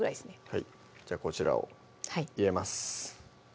はいこちらを入れます